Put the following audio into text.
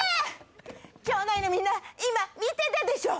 町内のみんな今見てたでしょ